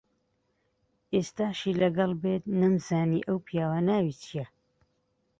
ئێستاشی لەگەڵ بێت نەمزانی ئەو پیاوە ناوی چییە.